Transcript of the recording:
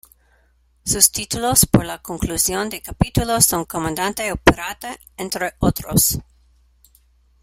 Sus títulos por la conclusión de capítulos son Comandante o Pirata entre otros.